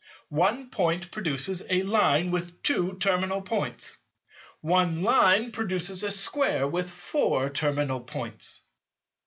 One Point produces a Line with two terminal Points. One Line produces a Square with four terminal Points.